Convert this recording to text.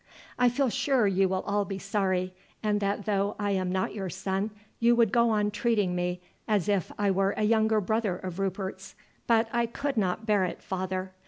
"I feel sure you will all be sorry, and that though I am not your son you would go on treating me as if I were a younger brother of Rupert's. But I could not bear it, father.